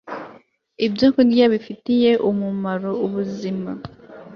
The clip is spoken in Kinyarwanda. ibyokurya bifitiye umumaro ubuzima